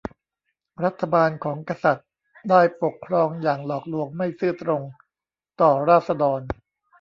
รัฐบาลของกษัตริย์ได้ปกครองอย่างหลอกลวงไม่ซื่อตรงต่อราษฎร